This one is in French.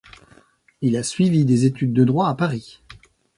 Il a suivi des études de droit à Paris.